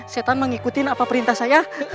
setan mengikuti apa perintah saya